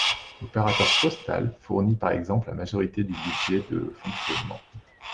L'opérateur postal fournit par exemple la majorité du budget de fonctionnement.